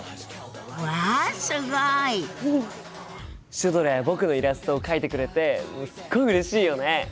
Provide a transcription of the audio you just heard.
シュドラや僕のイラストを描いてくれてすっごいうれしいよね！